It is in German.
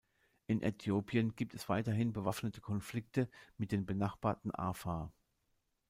In Äthiopien gibt es weiterhin bewaffnete Konflikte mit den benachbarten Afar.